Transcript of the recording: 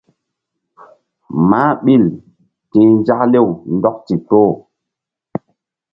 Mah ɓil ti̧h nzak lew ndɔk ndikpoh.